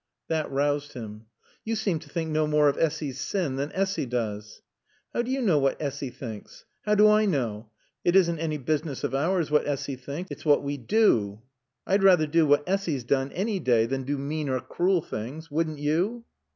That roused him. "You seem to think no more of Essy's sin than Essy does." "How do you know what Essy thinks? How do I know? It isn't any business of ours what Essy thinks. It's what we do. I'd rather do what Essy's done, any day, than do mean or cruel things. Wouldn't you?"